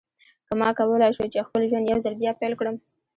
که ما کولای شوای چې خپل ژوند یو ځل بیا پیل کړم.